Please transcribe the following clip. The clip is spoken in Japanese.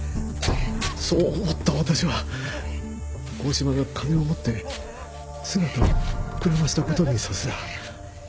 そう思った私は大島が金を持って姿をくらましたことにさせた。